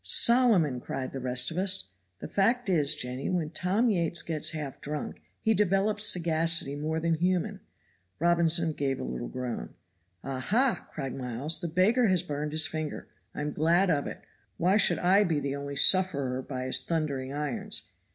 'Solomon!' cried the rest of us. The fact is, Jenny, when Tom Yates gets half drunk he develops sagacity more than human. (Robinson gave a little groan.) Aha," cried Miles, "the beggar has burned his finger. I'm glad of it. Why should I be the only sufferer by his thundering irons?